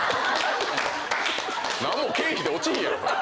何も経費で落ちひんやろ。